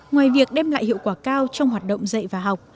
ngoài việc đem lại hiệu quả cao trong hoạt động dạy và học